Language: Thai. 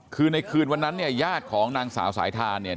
คือในคืนวันนั้นเนี่ยญาติของนางสาวสายทานเนี่ย